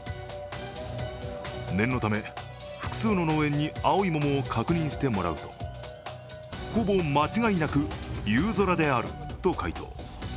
念のため、複数の農園に青い桃を確認してもらうとほぼ間違いなく、ゆうぞらであると回答。